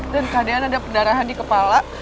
dan kak dian ada pendarahan di kepala